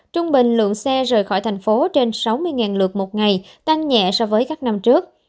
trung bình lượng xe rời khỏi thành phố trên sáu mươi lượt một ngày tăng nhẹ so với các năm trước